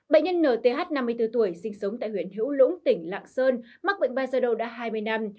bệnh nhân nth năm mươi bốn tuổi sinh sống tại huyện hiễu lũng tỉnh lạng sơn mắc bệnh bai ra đầu đã hai mươi năm